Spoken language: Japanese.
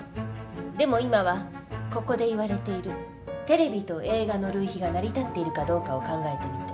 でも今はここで言われているテレビと映画の類比が成り立っているかどうかを考えてみて。